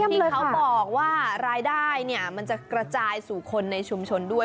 ที่เขาบอกว่ารายได้มันจะกระจายสู่คนในชุมชนด้วย